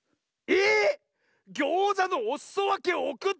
えっ！